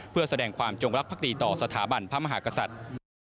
เพื่อแสดงความจงรักภักดีต่อสถาบันพระมหากษัตริย์